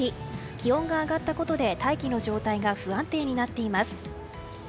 気温が上がったことで大気の状態が不安定になっています。